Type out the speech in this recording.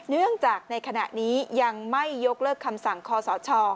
เนื่องจากในขณะนี้ยังไม่ยกเลิกคำสั่งคอสช